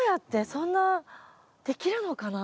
そんなできるのかな？